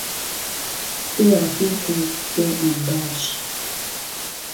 بێ ڕهفیق و بێ ئامباش